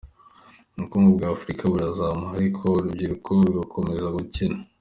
Ubukungu bw’Afurika burazamuka ariko urubyiruko rugakomeza gukena